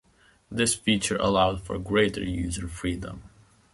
This feature allowed for greater user freedom.